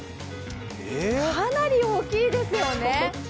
かなり大きいですよね。